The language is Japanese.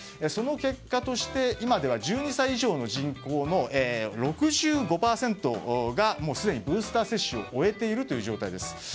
その結果として今では１２歳以上の人口の６５％がもうすでにブースター接種を終えている状態です。